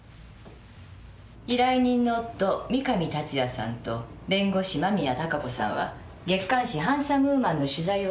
「依頼人の夫三神達也さんと弁護士間宮貴子さんは月刊誌『ハンサムウーマン』の取材をきっかけに知り合った。